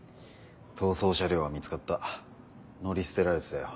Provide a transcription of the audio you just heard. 逃走車両は見つかった乗り捨てられてたよ。